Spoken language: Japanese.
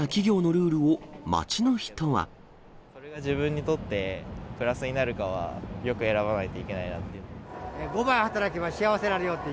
それが自分にとってプラスになるかはよく選ばないといけないなと。